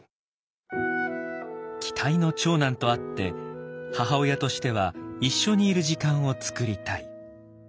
期待の長男とあって母親としては一緒にいる時間を作りたい。